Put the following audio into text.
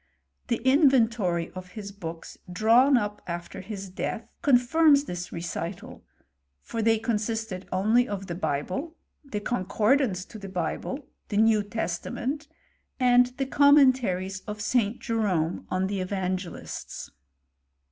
The inventory of his hooks, drawn up after his death, confirms this recital ; for they consisted only of the Bible, the Concordance to the Bible, the New Testament, and the Commenta ries of St. Jerome on the Evangelists.